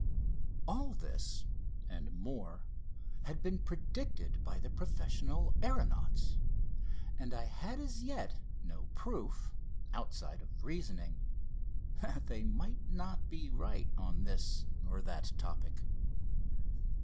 All this and more had been predicted by the professional aeronauts, and I had as yet no proof outside of reasoning that they might not be right on this or that topic.